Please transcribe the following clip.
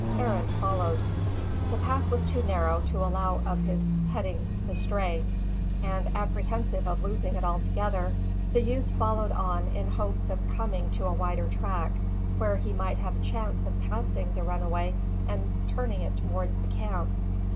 Arend followed. The path was too narrow to allow of his heading the stray; and, apprehensive of losing it altogether, the youth followed on in hopes of coming to a wider track, where he might have a chance of passing the runaway and turning it towards the camp.